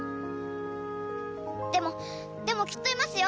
でもでもきっといますよ